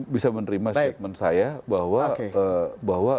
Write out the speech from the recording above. bisa menerima statement saya bahwa